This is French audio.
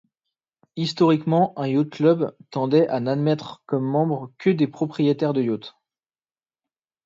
Historiquement, un yacht club tendaient à n'admettre comme membres que des propriétaires de yachts.